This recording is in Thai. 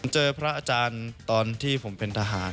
เจอพระอาจารย์ตอนที่ผมเป็นทหาร